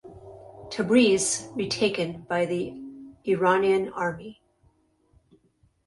Tabriz retaken by the Iranian army.